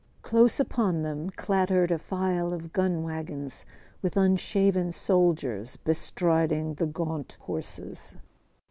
Close upon them clattered a file of gun wagons, with unshaven soldiers bestriding the gaunt horses.